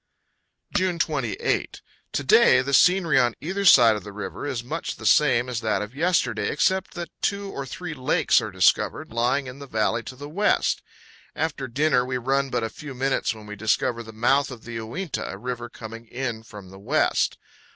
June 28. To day the scenery on either side of the river is much 182 CANYONS OF THE COLORADO. the same as that of yesterday, except that two or three lakes are discovered, lying in the valley to the west. After dinner we run but a few minutes when we discover the mouth of the Uinta, a river coming in from the west.